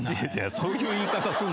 そういう言い方すんなよ。